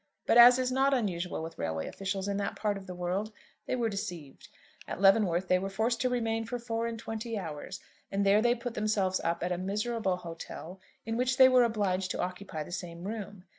But, as is not unusual with railway officials in that part of the world, they were deceived. At Leavenworth they were forced to remain for four and twenty hours, and there they put themselves up at a miserable hotel in which they were obliged to occupy the same room.